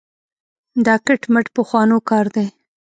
دا کټ مټ پخوانو کار دی.